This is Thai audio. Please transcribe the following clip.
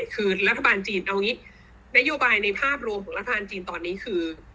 คือรัฐบาลจีนเอาอย่างนี้นโยบายในภาพรวมของรัฐบาลจีนตอนนี้คือ